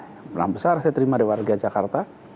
yang pernah besar saya terima dari warga jakarta